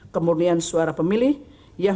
kemurnian suara pemilih yang